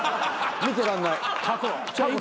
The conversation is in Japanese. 見てらんない。